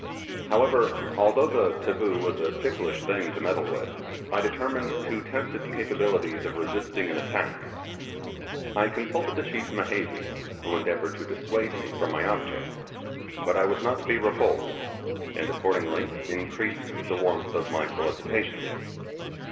However, although the 'taboo' was a ticklish thing to meddle with, I determined to test its capabilities of resisting an attack. I consulted the chief Mehevi, who endeavoured to dissuade me from my object; but I was not to be repulsed; and accordingly increased the warmth of my solicitations.